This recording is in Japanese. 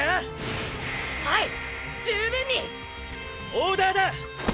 オーダーだ！！